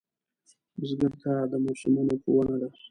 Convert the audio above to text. بزګر ته د موسمونو ښوونه ده